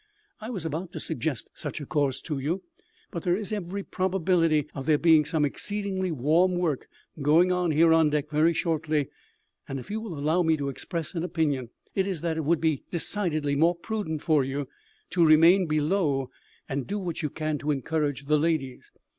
"I was about to suggest such a course to you. But there is every probability of there being some exceedingly warm work going on here on deck very shortly, and if you will allow me to express an opinion, it is that it would be decidedly more prudent for you to remain below and do what you can to encourage the ladies.